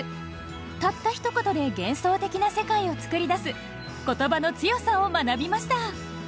たったひと言で幻想的な世界を作り出す言葉の強さを学びました。